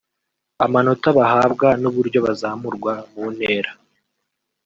amanota bahabwa n’uburyo bazamurwa mu ntera